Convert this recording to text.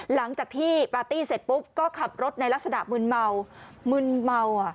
หลังจากที่ปาร์ตี้เสร็จปุ๊บก็ขับรถในรัศดามื้นเมา